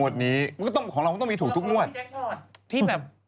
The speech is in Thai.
ใช่ถูกงวดนี้